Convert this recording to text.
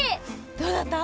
どうだった？